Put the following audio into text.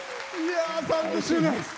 ３０周年。